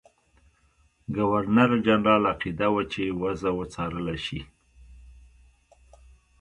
ګورنرجنرال عقیده وه چې وضع وڅارله شي.